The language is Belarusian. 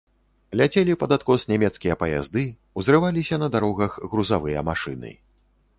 Ляцелі пад адкос нямецкія паязды, узрываліся на дарогах грузавыя машыны.